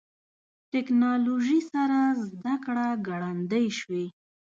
ټکنالوژي سره زدهکړه ګړندۍ شوې.